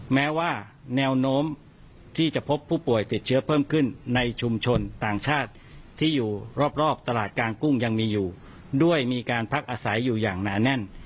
แม้ว่าแนวโน้มที่จะพบผู้ป่วยติดเชื้อเพิ่มขึ้นในชุมชนต่างชาติที่อยู่รอบตลาดกลางกุ้งยังมีอยู่ด้วยมีการพักอาศัยอยู่อย่างหนาแน่น